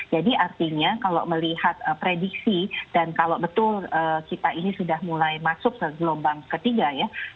jadi artinya kalau melihat prediksi dan kalau betul kita ini sudah mulai masuk ke gelombang ketiga ya